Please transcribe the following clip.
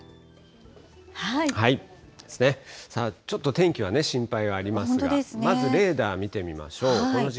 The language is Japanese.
ちょっと天気はね、心配はありますが、まずレーダー見てみましょう。